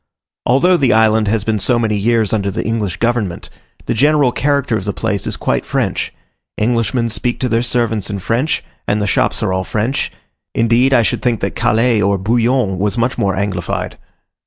Although the island has been so many years under the English Government, the general character of the place is quite French: Englishmen speak to their servants in French, and the shops are all French; indeed, I should think that Calais or Boulogne was much more Anglified.